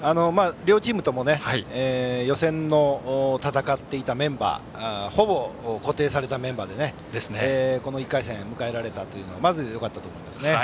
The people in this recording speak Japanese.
両チームとも予選を戦っていたメンバーほぼ固定されたメンバーでこの１回戦を迎えられたのはまず、よかったと思いますね。